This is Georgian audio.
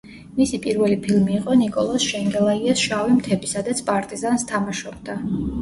მისი პირველი ფილმი იყო ნიკოლოზ შენგელაიას „შავი მთები“, სადაც პარტიზანს თამაშობდა.